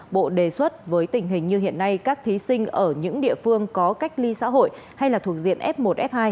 bộ đề xuất với tình hình như hiện nay các thí sinh ở những địa phương có cách ly xã hội hay là thuộc diện f một f hai